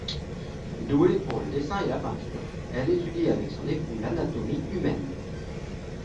Douée pour le dessin et la peinture, elle étudie avec son époux l'anatomie humaine.